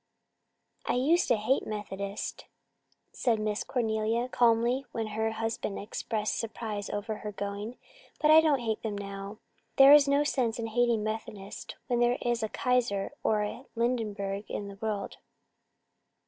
"I used to hate Methodists," said Miss Cornelia calmly, when her husband expressed surprise over her going, "but I don't hate them now. There is no sense in hating Methodists when there is a Kaiser or a Hindenburg in the world."